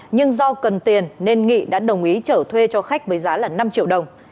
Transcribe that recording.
nhưng do cần tiền nên nghị đã đồng ý trở thuê cho khách với giá là năm triệu đồng